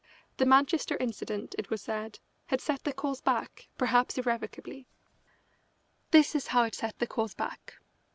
The Manchester incident, it was said, had set the cause back, perhaps irrevocably. This is how it set the cause back.